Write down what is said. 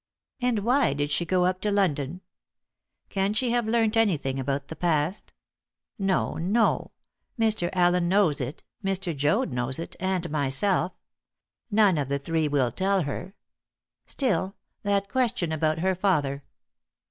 And why did she go up to London? Can she have learnt anything about the past? No, no. Mr. Allen knows it, Mr. Joad knows it, and myself. None of the three will tell her. Still, that question about her father!